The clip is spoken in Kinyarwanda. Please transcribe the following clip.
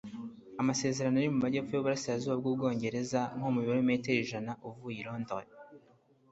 amasezerano ari mu majyepfo yuburasirazuba bwubwongereza, nko mu birometero ijana uvuye i londres